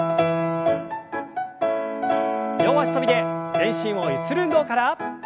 両脚跳びで全身をゆする運動から。